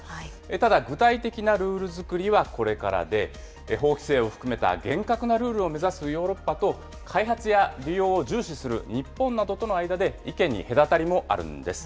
ただ、具体的なルール作りはこれからで、法規制を含めた厳格なルールを目指すヨーロッパと、開発や利用を重視する日本などとの間で意見に隔たりもあるんです。